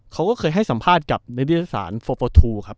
เขาก็เคยให้สัมภาษณ์กับนักวิทยาศาสตร์๔๔๒ครับ